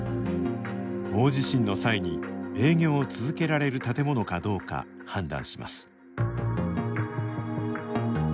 大地震の際に営業を続けられる建物かどうか判断します。